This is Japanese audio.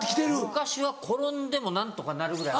昔は転んでも何とかなるぐらい。